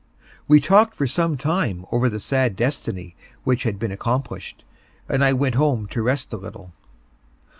We talked for some time over the sad destiny which had been accomplished, and I went home to rest a little.